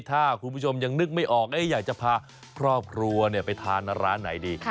ถ้าคุณผู้ชมยังนึกไม่ออกอยากจะพาครอบครัวไปทานร้านไหนดี